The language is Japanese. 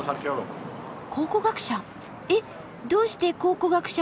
考古学者？